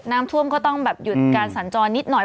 น้ำท่วมก็ต้องแบบหยุดการสัญจรนิดหน่อย